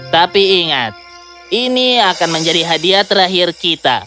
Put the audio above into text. tapi ingat ini akan menjadi hadiah terakhir kita